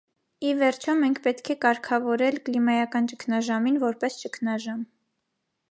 Ի վերջո, մենք պետք է կարգավորել կլիմայական ճգնաժամին, որպես ճգնաժամ։